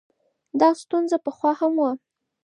دا ستونزه پخوا هم وه.